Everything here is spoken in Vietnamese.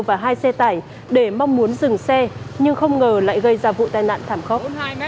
và hai xe tải để mong muốn dừng xe nhưng không ngờ lại gây ra vụ tai nạn thảm khốc